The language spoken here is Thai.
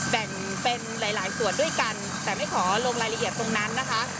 แบ่งเป็นหลายหลายส่วนด้วยกันแต่ไม่ขอลงรายละเอียดตรงนั้นนะคะ